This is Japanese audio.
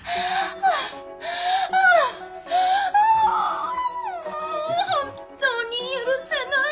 ああ本当に許せない。